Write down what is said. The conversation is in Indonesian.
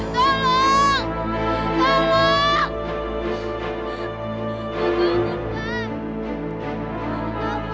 fah aku cuma mau ngomong sama kamu fah